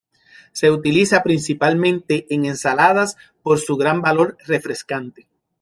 Se utiliza principalmente en ensaladas por su gran valor refrescante.